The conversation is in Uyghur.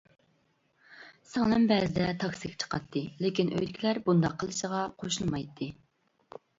-سىڭلىم بەزىدە تاكسىغا چىقاتتى، لېكىن ئۆيدىكىلەر بۇنداق قىلىشىغا قوشۇلمايتتى.